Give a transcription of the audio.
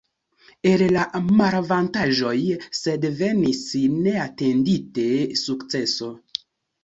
El la malavantaĝoj sed venis neatendite sukceso.